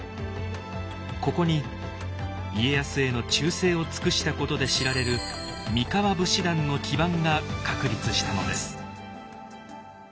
ここに家康への忠誠を尽くしたことで知られる三河武士団の基盤が確立したのです。